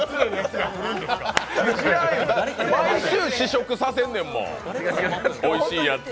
毎週試食させんねんもん、おいしいやつ。